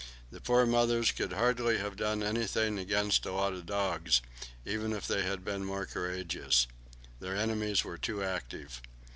The poor mothers could hardly have done anything against a lot of dogs, even if they had been more courageous. Their enemies were too active.